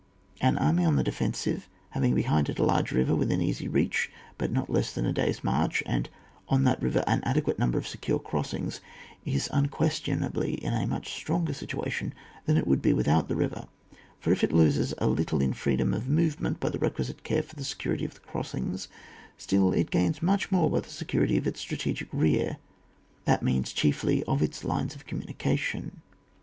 An army on the defensive, having be hind it a large river within easy reach (but not less than a day's march), and on that river an adequate number of secure crossings, is unquestionably in a much stronger situation than it woidd be with out the river ; for if it loses a little in freedom of movement by the requisite care for the security of the crossings, stiU it gains much more by the security of its strategic rear, that means chiefly of its lines of communication.